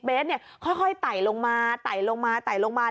เบสเนี่ยค่อยไต่ลงมาไต่ลงมาไต่ลงมา